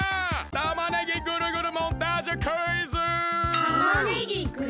たまねぎぐるぐるモンタージュクイズ！